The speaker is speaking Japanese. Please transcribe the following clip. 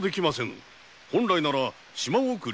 本来なら島送りが必定。